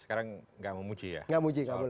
enggak memuji ya enggak memuji